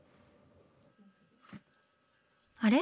あれ？